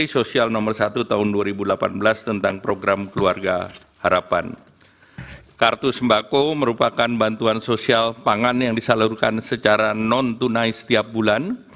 kartu sembako merupakan bantuan sosial pangan yang disalurkan secara non tunai setiap bulan